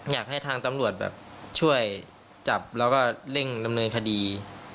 อยากให้ทางตำรวจแบบช่วยจับแล้วก็เร่งดำเนินคดี